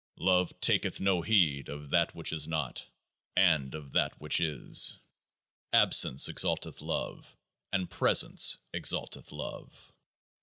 Love taketh no heed of that which is not and of that which is. Absence exalteth love, and presence exalteth love.